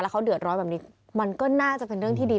เขาเดือดร้อนแบบนี้มันก็น่าจะเป็นเรื่องที่ดี